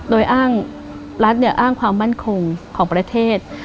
โดยอ้างรัฐอ้างความมั่นคงของประเทศ